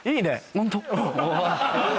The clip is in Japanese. ホント？